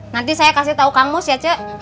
nanti saya kasih tau kamu si aceh